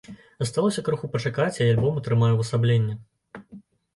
Засталося крыху пачакаць, і альбом атрымае ўвасабленне.